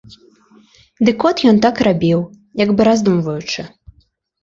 Дык от ён так рабіў, як бы раздумваючы.